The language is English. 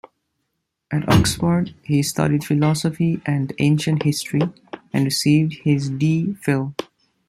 At Oxford he studied Philosophy and Ancient History, and received his D. Phil.